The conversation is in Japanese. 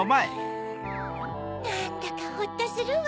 なんだかホッとするわ。